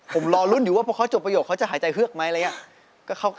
ผมรอลุ้นอยู่ว่าพอเขาจบประโยชนเขาจะหายใจเฮือกไหมอะไรอย่างนี้